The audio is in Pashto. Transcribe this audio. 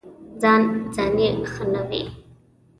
ځان ځاني ښه نه وي.